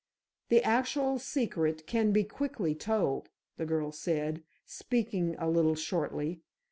"The actual secret can be quickly told," the girl said, speaking a little shortly.